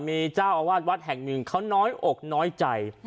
มีเจ้าอาวาสวัดแห่งหนึ่งเขาน้อยอกน้อยใจ